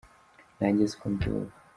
nanjye siko mbyumva.